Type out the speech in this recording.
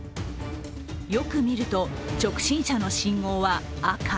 よく見ると、直進車の信号は赤。